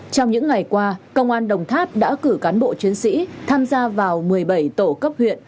trong những ngày qua công an đồng tháp đã cử cán bộ chiến sĩ tham gia vào một mươi bảy tổ cấp huyện